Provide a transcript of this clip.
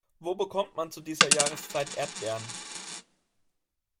Wo bekommt man zu dieser Jahreszeit Erdbeeren?